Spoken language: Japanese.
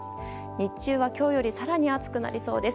日中は今日より更に暑くなりそうです。